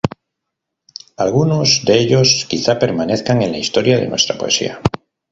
Algunos de ellos quizá permanezcan en la historia de nuestra poesía.